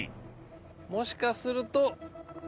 もしかすると。